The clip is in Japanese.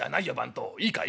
いいかい？